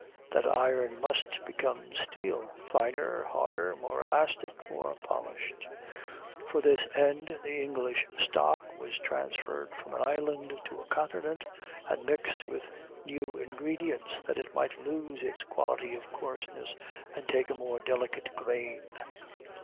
That iron must become steel; finer, harder, more elastic, more polished. For this end the English stock was transferred from an island to a continent, and mixed with new ingredients, that it might lose its quality of coarseness, and take a more delicate grain.